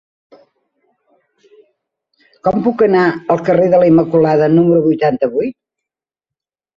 Com puc anar al carrer de la Immaculada número vuitanta-vuit?